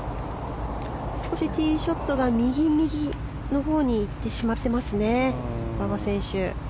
少しティーショットが右のほうに行ってしまっていますね馬場選手。